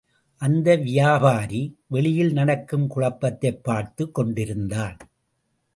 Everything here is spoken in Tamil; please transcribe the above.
அந்த வியாபாரி, வெளியில் நடக்கும் குழப்பத்தைப் பார்த்துக் கொண்டிருந்தான்.